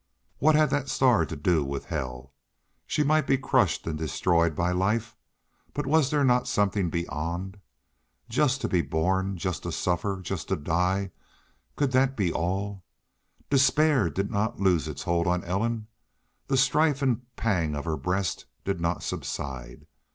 What had that star to do with hell? She might be crushed and destroyed by life, but was there not something beyond? Just to be born, just to suffer, just to die could that be all? Despair did not loose its hold on Ellen, the strife and pang of her breast did not subside.